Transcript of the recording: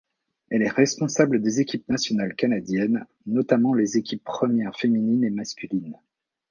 Elle est responsable des équipes nationales canadiennes, notamment les équipes premières féminines et masculines.